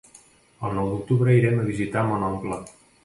El nou d'octubre irem a visitar mon oncle.